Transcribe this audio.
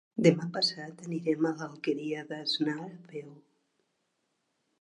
Demà passat anirem a l'Alqueria d'Asnar a peu.